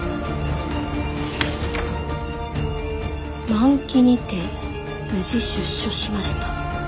「満期にて無事出所しました。